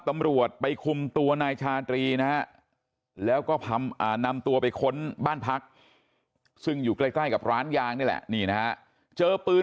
ตำรวจไปคุมตัวนายชาตรีนะแล้วก็ผ่ำอ่านนำตัวไปค้นบ้านพักซึ่งอยู่ใกล้ใกล้กับร้านย้างนี่แหละนี่นะเจอ